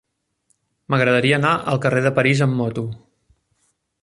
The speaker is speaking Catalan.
M'agradaria anar al carrer de París amb moto.